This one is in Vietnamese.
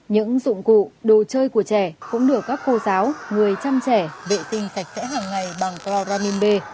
những dụng cụ đồ chơi của trẻ cũng được các cô giáo người chăm trẻ vệ sinh sạch sẽ hàng ngày bằng cloramin b